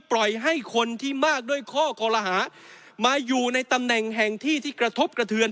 ปล่อยให้คนที่มากด้วยข้อกลหามาอยู่ในตำแหน่งแห่งที่ที่กระทบกระเทือน